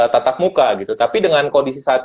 tatap muka gitu tapi dengan kondisi saat